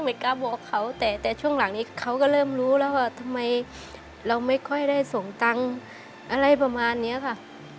ไม่กล้าบอกเขาแต่แต่ช่วงหลังนี้เขาก็เริ่มรู้แล้วว่าทำไมเราไม่ค่อยได้ส่งตังค์อะไรประมาณนี้ค่ะ